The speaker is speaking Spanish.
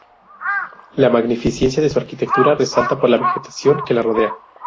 La magnificencia de su arquitectura resalta por la vegetación que la rodea.